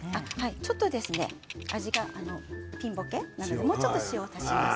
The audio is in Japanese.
ちょっと味がピンボケなので塩を足します。